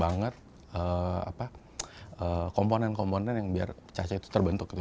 memang kita banyak banget komponen komponen yang biar lafcaca itu terbentuk